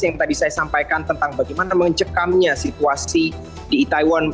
yang tadi saya sampaikan tentang bagaimana mencekamnya situasi di itaewon